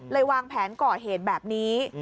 วางแผนก่อเหตุแบบนี้